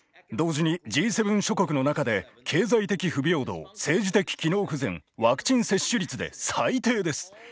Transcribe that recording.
同時にＧ７諸国の中で経済的不平等政治的機能不全ワクチン接種率で最低です。